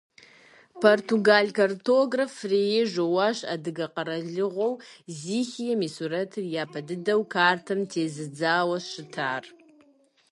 Португал картограф Фрейре Жоаущ адыгэ къэралыгъуэу Зихием и сурэтыр япэ дыдэу картэм тезыдзауэ щытар.